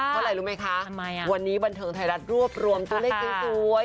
เพราะอะไรรู้ไหมคะวันนี้บันเทิงไทยรัฐรวบรวมตัวเลขสวย